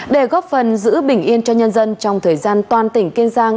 để góp phần giữ bình yên cho nhân dân trong thời gian toàn tỉnh kiên giang